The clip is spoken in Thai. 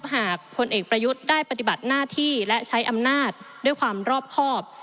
พลเอกประยุทธ์ได้ปฏิบัติหน้าที่และใช้อำนาจด้วยความรอบครอบ